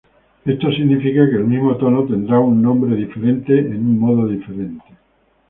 Esto significa que el mismo tono tendrá un nombre diferente en un modo diferente.